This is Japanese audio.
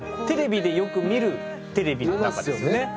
テレビでよく見るテレビの中ですよね。